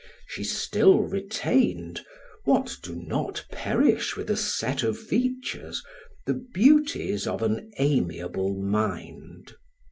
She still retained (what do not perish with a set of features) the beauties of an amiable mind.